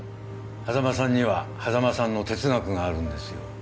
波佐間さんには波佐間さんの哲学があるんですよ